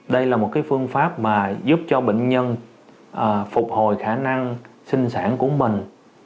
đây là một phương pháp mà giúp cho bệnh nhân phục hồi khả năng sinh sản của mình